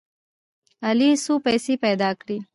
علي څو پیسې پیدا کړې.